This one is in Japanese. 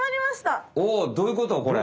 おどういうことこれ？